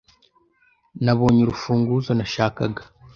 Nabonye urufunguzo nashakaga.